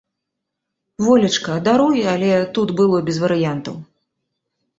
Волечка, даруй, але тут было без варыянтаў.